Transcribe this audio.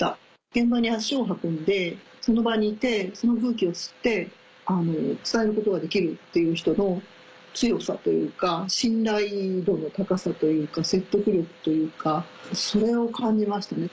現場に足を運んでその場にいてその風景を知って伝えることができるっていう人の強さというか信頼度の高さというか説得力というかそれを感じましたね。